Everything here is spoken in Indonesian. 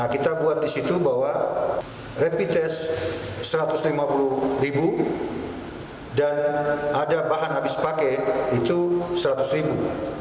kita buat di situ bahwa rapid test satu ratus lima puluh ribu dan ada bahan habis pakai itu seratus ribu